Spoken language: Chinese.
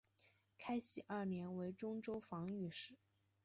开禧二年为忠州防御使。